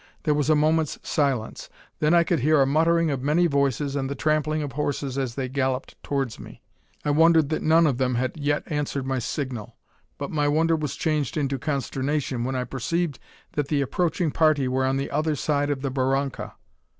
There was a moment's silence! Then I could hear a muttering of many voices and the trampling of horses as they galloped towards me. I wondered that none of them had yet answered my signal; but my wonder was changed into consternation when I perceived that the approaching party were on the other side of the barranca!